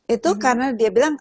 itu karena dia bilang